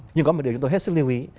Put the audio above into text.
nhưng có một điều chúng tôi hết sức lưu ý